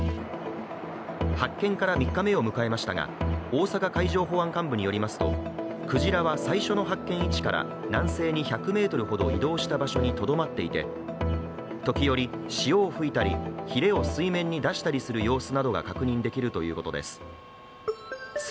発見から３日目を迎えましたが大阪海上保安監部によりますとクジラは最初の発見位置から南西に１００ｍほど移動した場所にとどまっていて、時折、潮を吹いたり、ひれを水面に出したりする様子などが確認できるということです。